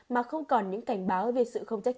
mà không còn những cảnh báo về sự không chắc